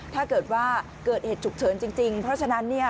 ถ้าเกิดว่าเกิดเหตุฉุกเฉินจริงเพราะฉะนั้นเนี่ย